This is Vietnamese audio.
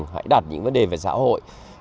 hãy đặt những vấn đề về xã hội